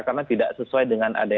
karena tidak sesuai dengan adanya